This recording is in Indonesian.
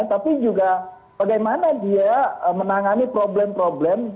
tapi juga bagaimana dia menangani problem problem